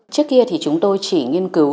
trước kia thì chúng tôi chỉ nghiên cứu